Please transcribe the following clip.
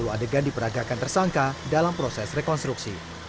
dua adegan diperagakan tersangka dalam proses rekonstruksi